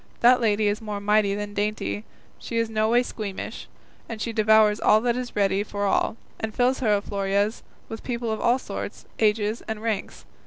That lady is more mighty than dainty, she is in no way squeamish, she devours all and is ready for all, and fills her alforjas with people of all sorts, ages, and ranks.